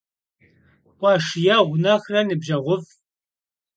Къуэш егъу нэхърэ ныбжьэгъуфӀ.